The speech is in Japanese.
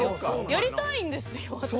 やりたいんですよ。